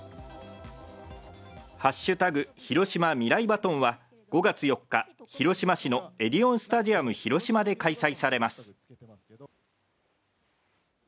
ヒロシマミライバトンは５月４日、広島市のエディオンスタジアムヒロシマで開催されます。